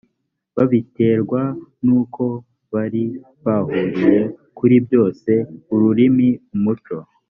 babiterwaga n uko bari bahuriye kuri byose ururimi umuco